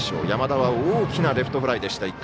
山田は大きなレフトフライでした